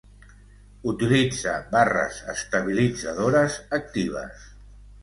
Utilitza barres estabilitzadores actives.